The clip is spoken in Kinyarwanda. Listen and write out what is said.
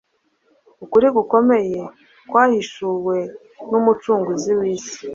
Ukuri gukomeye kwahishuwe n’Umucunguzi w’isi